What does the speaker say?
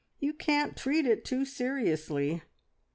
You can't treat it too seriously.